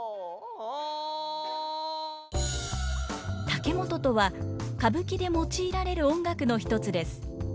竹本とは歌舞伎で用いられる音楽の一つです。